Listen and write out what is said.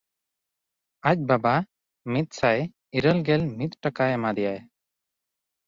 ᱟᱡ ᱵᱟᱵᱟ ᱢᱤᱫᱥᱟᱭ ᱤᱨᱟᱹᱞᱜᱮᱞ ᱢᱤᱫ ᱴᱟᱠᱟ ᱮᱢᱟ ᱫᱮᱭᱟᱭ᱾